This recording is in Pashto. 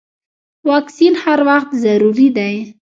واکسین هر وخت ضروري دی.